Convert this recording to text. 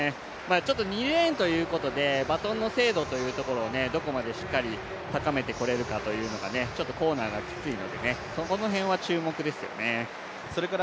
ちょっと２レーンということでバトンの精度というところをどこまでしっかり上げてこられるかちょっとコーナーがきついので、その辺は注目ですよね。